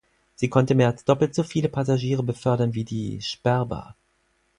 Sie konnte mehr als doppelt so viele Passagiere befördern wie die "Sperber".